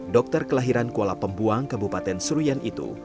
dokter kelahiran kuala pembuang kabupaten seruyan itu